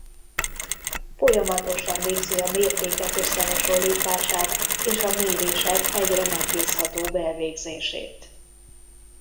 Folyamatosan végzi a mértékek összehasonlítását és a mérések egyre megbízhatóbb elvégzését.